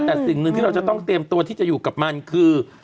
แต่สิ่งหนึ่งที่เราจะต้องเตรียมตัวที่จะอยู่กับมันคือ